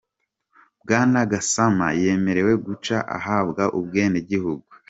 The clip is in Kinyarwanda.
Bwana Gassama yemerewe guca ahabwa ubwenegihugu.